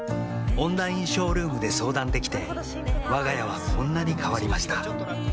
オンラインショールームで相談できてわが家はこんなに変わりました